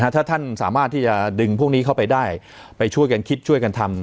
ถ้าท่านสามารถที่จะดึงพวกนี้เข้าไปได้ไปช่วยกันคิดช่วยกันทำ